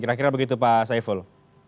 kira kira begitu pak saiful